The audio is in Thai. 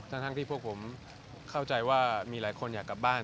ทั้งที่พวกผมเข้าใจว่ามีหลายคนอยากกลับบ้าน